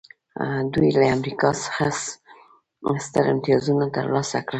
دوی له امریکا څخه ستر امتیازونه ترلاسه کړل